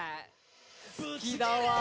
好きだわ。